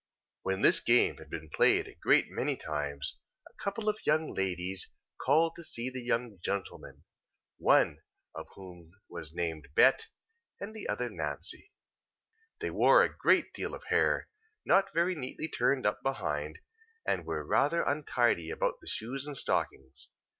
When this game had been played a great many times, a couple of young ladies called to see the young gentleman; one of whom was named Bet, and the other Nancy. They wore a good deal of hair, not very neatly turned up behind, and were rather untidy about the shoes and stockings.